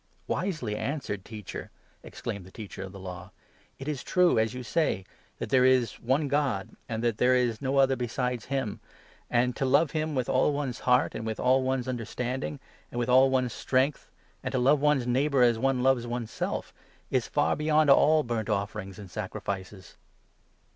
" Wisely answered, Teacher!" exclaimed the Teacher of the 32 Law. "It is true, as you say, that ' there is one God,' and that ' there is no other besides him '; and to ' love him with 33 all one's heart, and with all one's understanding, and with all one's strength,' and to 'love one's neighbour as one loves oneself is far beyond all 'burnt offerings and sacrifices.'"